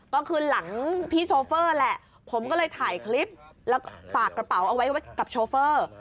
ก็คือหลังพี่โชเฟอร์แหละผมก็เลยถ่ายคลิปแล้วก็ฝากกระเป๋าเอาไว้กับโชเฟอร์